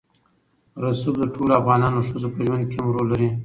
رسوب د ټولو افغان ښځو په ژوند کې هم رول لري.